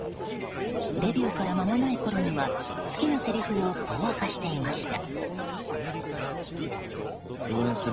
デビューから間もないころには好きなせりふをこう明かしていました。